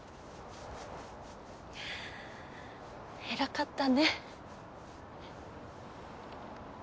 偉かったね。